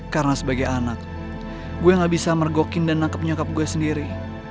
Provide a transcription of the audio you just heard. karena sebagai anak gue gak bisa mergokin dan nangkep nyokap gue sendiri